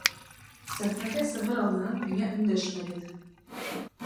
Сәхнәгә сығыр алдынан миңә өндәшмәгеҙ!